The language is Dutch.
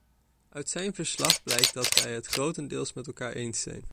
Uit zijn verslag blijkt dat wij het grotendeels met elkaar eens zijn.